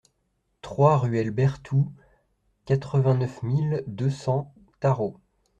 trois ruelle Berthoux, quatre-vingt-neuf mille deux cents Tharot